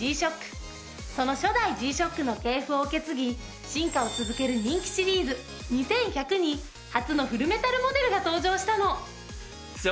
その初代Ｇ−ＳＨＯＣＫの系譜を受け継ぎ進化を続ける人気シリーズ２１００に初のフルメタルモデルが登場したの。